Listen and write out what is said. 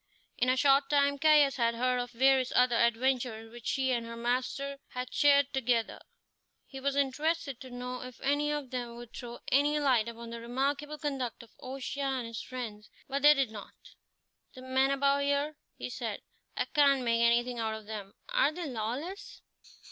In a short time Caius had heard of various other adventures which she and her master had shared together. He was interested to know if any of them would throw any light upon the remarkable conduct of O'Shea and his friends; but they did not. "The men about here," he said "I can't make anything out of them are they lawless?"